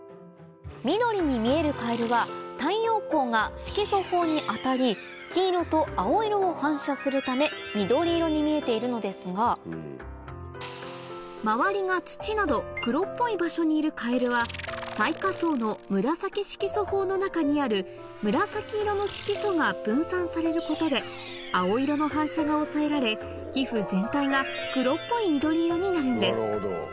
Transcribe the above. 緑に見えるカエルは太陽光が色素胞に当たり黄色と青色を反射するため緑色に見えているのですが周りが土など黒っぽい場所にいるカエルは最下層の紫色素胞の中にある紫色の色素が分散されることで青色の反射が抑えられ皮膚全体が黒っぽい緑色になるんです